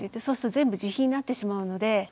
そうすると全部自費になってしまうので。